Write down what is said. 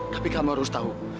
tapi kamu harus tahu